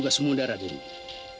siapa saja yang akan mengawal rara murni